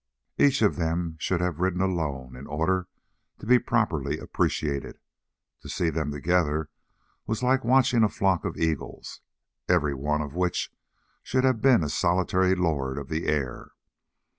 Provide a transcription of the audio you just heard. Each of them should have ridden alone in order to be properly appreciated. To see them together was like watching a flock of eagles every one of which should have been a solitary lord of the air.